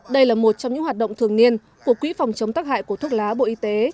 đây là một trong những hoạt động thường niên của quỹ phòng chống tắc hại của thuốc lá bộ y tế